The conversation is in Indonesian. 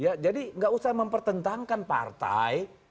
ya jadi nggak usah mempertentangkan partai